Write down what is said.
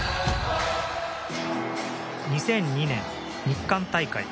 ２００２年、日韓大会。